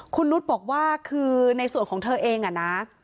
คุณนุษย์บอกว่าคือในส่วนของเธอเองอะนะ